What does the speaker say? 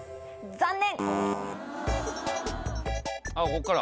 残念！